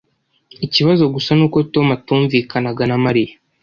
Ikibazo gusa ni uko Tom atumvikanaga na Mariya